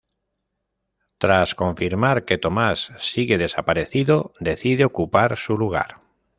Tras confirmar que Tomás sigue desaparecido, decide ocupar su lugar.